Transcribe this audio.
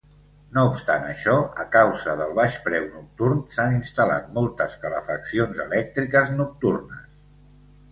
No obstant això, a causa del baix preu nocturn s'han instal·lat moltes calefaccions elèctriques nocturnes.